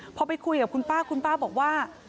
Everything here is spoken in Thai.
พอไปคุยกับคุณป้าคุณป้าบอกว่า